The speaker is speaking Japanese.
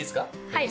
はい。